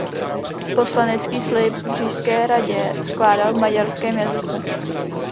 Poslanecký slib v Říšské radě skládal v maďarském jazyce.